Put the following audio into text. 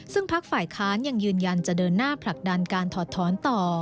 ซึ่งพักฝ่ายค้านยังยืนยันจะเดินหน้าผลักดันการถอดท้อนต่อ